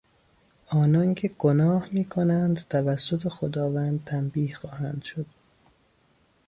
آنان که گناه میکنند توسط خداوند تنبیه خواهند شد.